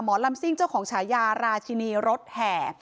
ลำซิ่งเจ้าของฉายาราชินีรถแห่